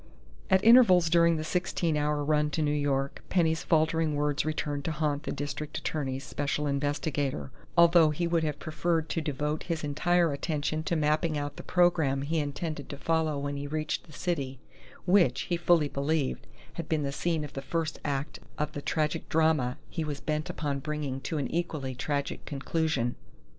At intervals during the sixteen hour run to New York, Penny's faltering words returned to haunt the district attorney's special investigator, although he would have preferred to devote his entire attention to mapping out the program he intended to follow when he reached the city which, he fully believed, had been the scene of the first act of the tragic drama he was bent upon bringing to an equally tragic conclusion.